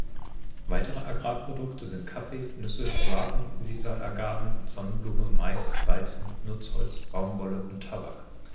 Weitere Agrarprodukte sind Kaffee, Nüsse, Guaven, Sisal-Agaven, Sonnenblume, Mais, Weizen, Nutzholz, Baumwolle und Tabak.